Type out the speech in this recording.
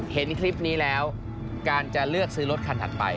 เห็นคลิปนี้แล้วการจะเลือกซื้อรถคันถัดไป